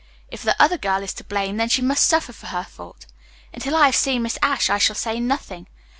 "If the other girl is to blame, then she must suffer for her fault. Until I have seen Miss Ashe I shall say nothing.